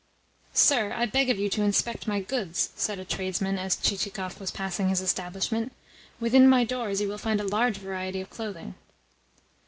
"Sir, I beg of you to inspect my goods," said a tradesman as Chichikov was passing his establishment. "Within my doors you will find a large variety of clothing."